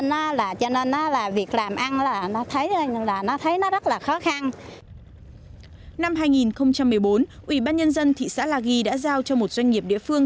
năm hai nghìn một mươi bốn ủy ban nhân dân thị xã la ghi đã giao cho một doanh nghiệp địa phương